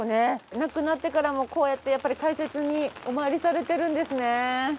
亡くなってからもこうやってやっぱり大切にお参りされてるんですね。